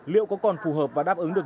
liệu có còn phù hợp và đáp ứng được